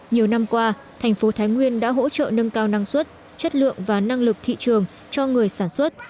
nhiều năm qua thành phố thái nguyên đã hỗ trợ nâng cao năng suất chất lượng và năng lực thị trường cho người sản xuất